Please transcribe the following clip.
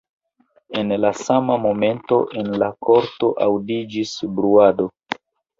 En la sama momento en la korto aŭdiĝis bruado.